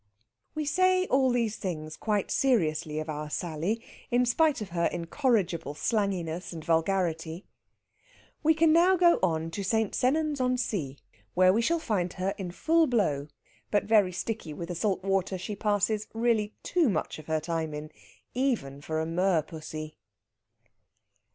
We say all these things quite seriously of our Sally, in spite of her incorrigible slanginess and vulgarity. We can now go on to St. Sennans on Sea, where we shall find her in full blow, but very sticky with the salt water she passes really too much of her time in, even for a merpussy.